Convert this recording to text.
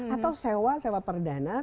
atau sewa sewa perdana